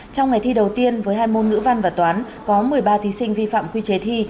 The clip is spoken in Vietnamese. trong ngày thi đầu tiên với hai môn ngữ văn và toán có một mươi ba thí sinh vi phạm quy chế thi